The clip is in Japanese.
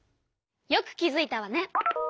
よく気づいたわね。